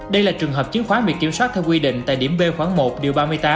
đây là trường hợp chứng khoán bị kiểm soát theo quy định tại điểm b khoảng một điều ba mươi tám